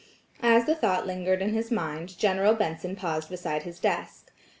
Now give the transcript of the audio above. As the thought lingered in his mind, General Benson paused beside his desk.